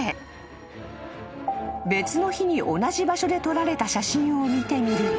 ［別の日に同じ場所で撮られた写真を見てみると］